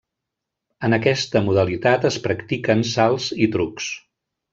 En aquesta modalitat es practiquen salts i trucs.